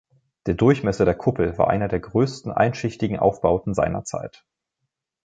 Der Durchmesser der Kuppel war einer der größten einschichtigen Aufbauten seiner Zeit.